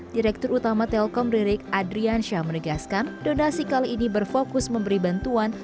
direktur utama telkom ririk adriansyah menegaskan donasi kali ini berfokus memberi bantuan